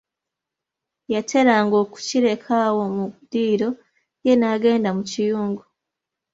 Yateranga okukireka awo mu ddiiro, ye n'agenda mu kiyungu.